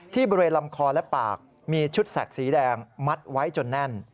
บริเวณลำคอและปากมีชุดแสกสีแดงมัดไว้จนแน่น